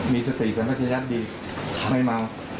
มีสติกันก็จะยัดดีไม่เมา